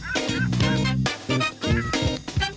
โปรดติดตามตอนต่อไป